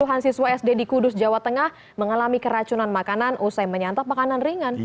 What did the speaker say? puluhan siswa sd di kudus jawa tengah mengalami keracunan makanan usai menyantap makanan ringan